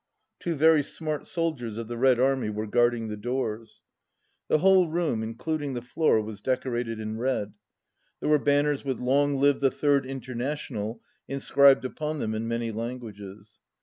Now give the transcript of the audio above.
Two very smart sol diers of the Red Army were guarding the doors. The whole room, including the floor, was deco rated in red. There were banners with "Long Live the Third International" inscribed upon them in many languages.